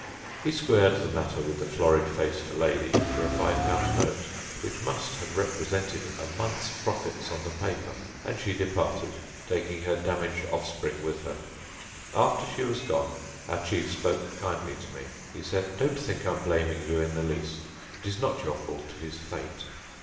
He squared the matter with the florid faced lady for a five pound note, which must have represented a month's profits on the paper; and she departed, taking her damaged offspring with her. After she was gone, our chief spoke kindly to me. He said: "Don't think I am blaming you in the least; it is not your fault, it is Fate.